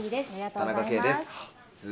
田中圭です。